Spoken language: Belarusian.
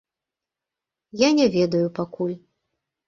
Я не ведаю пакуль.